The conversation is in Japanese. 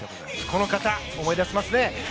この方、思い出しますね。